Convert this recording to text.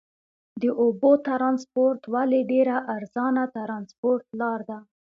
د اوبو ترانسپورت ولې ډېره ارزانه ترانسپورت لار ده؟